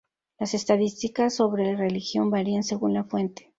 Las estadísticas sobre religión varían según la fuente.